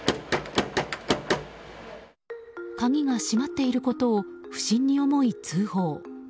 鍵が閉まっていることを不審に思い通報。